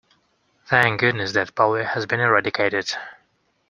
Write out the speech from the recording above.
Thank goodness that polio has been eradicated.